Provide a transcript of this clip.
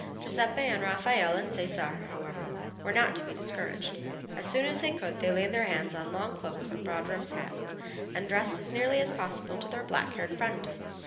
Giuseppe and Raffaelle and Cesare, however, were not to be discouraged, and as soon as they could they laid their hands on long cloaks and broad brimmed hats, and dressed as nearly as possible like their black haired friend.